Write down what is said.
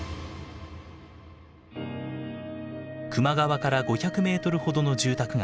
球磨川から５００ｍほどの住宅街。